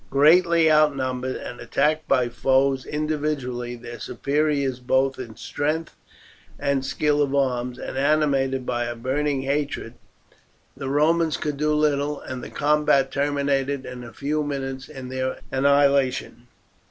Greatly outnumbered, and attacked by foes individually their superiors both in strength and skill of arms, and animated by a burning hatred, the Romans could do little, and the combat terminated in a few minutes in their annihilation.